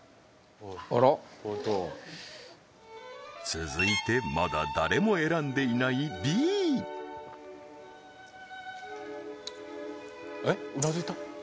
おっと続いてまだ誰も選んでいないＢえっうなずいた？